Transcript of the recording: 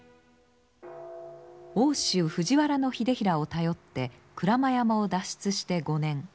奥州藤原秀衡を頼って鞍馬山を脱出して５年。